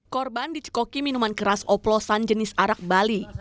korban dicekoki minuman keras oplosan jenis arak bali